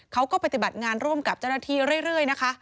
เขาก็ปฏิบัติงานร่วมกับเจ้าหน้าที่เรื่อยนะคะ